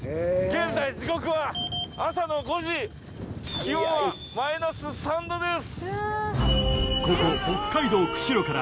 現在時刻は朝の５時気温はマイナス３℃です。